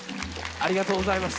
ありがとうございます。